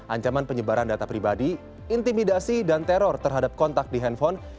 ancaman penyebaran data pribadi intimidasi dan teror terhadap kontak di handphone